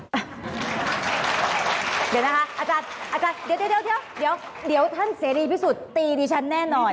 เดี๋ยวนะคะอาจารย์เดี๋ยวท่านเสรีพิสุทธิ์ตีดิฉันแน่นอน